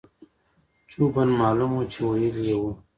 جوبن معلوم وو چې وييلي يې وو-